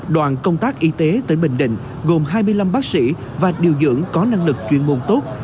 đoàn công tác y tế tỉnh bình định gồm hai mươi năm bác sĩ và điều dưỡng có năng lực chuyên môn tốt